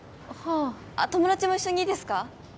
あ友達も一緒にいいですか？